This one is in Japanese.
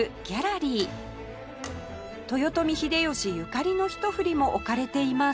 豊臣秀吉ゆかりの一振りも置かれています